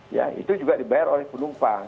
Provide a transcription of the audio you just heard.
ya itu juga dibayar oleh penumpang